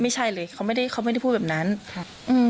ไม่ใช่เลยเขาไม่ได้เขาไม่ได้พูดแบบนั้นครับอืม